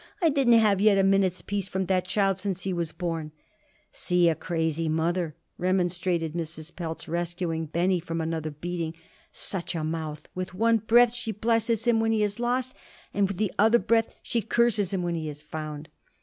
I didn't have yet a minute's peace from that child since he was born." "See a crazy mother!" remonstrated Mrs. Pelz, rescuing Benny from another beating. "Such a mouth! With one breath she blesses him when he is lost, and with the other breath she curses him when he is found."